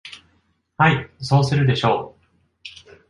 はい、そうするでしょう。